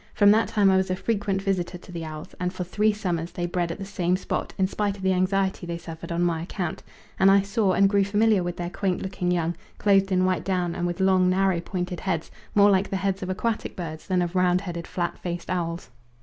From that time I was a frequent visitor to the owls, and for three summers they bred at the same spot in spite of the anxiety they suffered on my account, and I saw and grew familiar with their quaint looking young, clothed in white down and with long narrow pointed heads more like the heads of aquatic birds than of round headed flat faced owls.